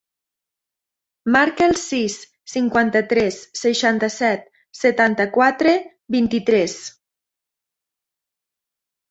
Marca el sis, cinquanta-tres, seixanta-set, setanta-quatre, vint-i-tres.